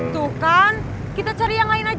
tuh kan kita cari yang lain aja